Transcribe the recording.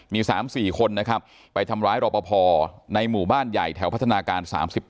มี๓๔คนนะครับไปทำร้ายรอปภในหมู่บ้านใหญ่แถวพัฒนาการ๓๘